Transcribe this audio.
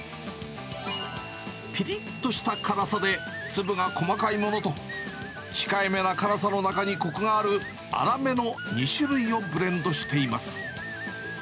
ぴりっとした辛さで、粒が細かいものと、控えめな辛さの中にこくがある、粗めの２種類をブレンドしています。